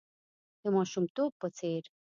د ماشومتوب په څېر .